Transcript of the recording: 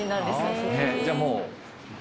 じゃあもう。